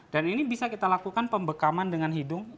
dan ini bisa kita lakukan pembekaman dengan hidung